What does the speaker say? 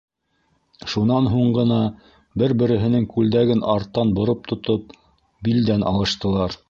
Шунан һуң ғына, бер-береһенең күлдәген арттан бороп тотоп, билдән алыштылар.